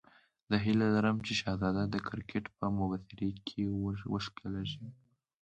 زه هیله لرم چې شهزاد د کرکټ په مبصرۍ کې وښکلېږي.